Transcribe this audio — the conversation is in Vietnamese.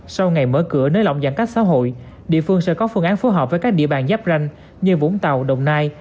sau ngày mở cửa nới lỏng giãn cách xã hội địa phương sẽ có phương án phối hợp với các địa bàn giáp ranh như vũng tàu đồng nai